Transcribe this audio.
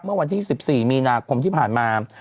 เมื่อวันที่๑๔มีนาคมที่ผ่านมา